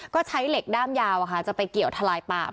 ก็ใช้เหล็กด้ามยาวจะไปเกี่ยวทลายปาม